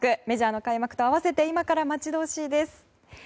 メジャーの開幕と合わせて今から待ち遠しいです。